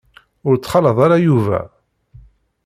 Ur ttxalaḍ ara Yuba.